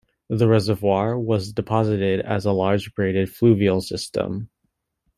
The reservoir was deposited as a large braided fluvial system.